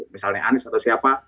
misalnya anis atau siapa